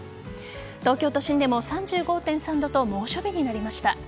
東京都心でも３５．３度と猛暑日になりました。